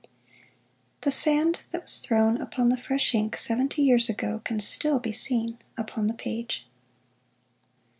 The sand that was thrown upon the fresh ink seventy years ago can still be seen upon the page.